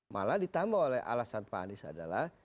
malah ditambah oleh alasan pak anies adalah